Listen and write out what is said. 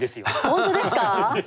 本当ですか？